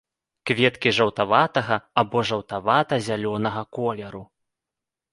Кветкі жаўтаватага або жаўтавата-зялёнага колеру.